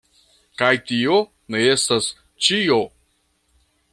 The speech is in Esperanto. Kaj tio ne estas ĉio!